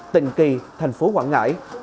tình kỳ thành phố quảng ngãi